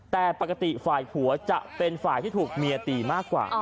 แต่ปกติฝ่ายผัวจะเป็นฝ่ายที่ถูกเมียตีมากกว่า